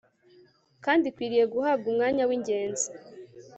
kandi ikwiriye guhabwa umwanya w'ingenzi